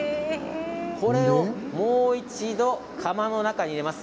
これをもう一度窯の中に入れます。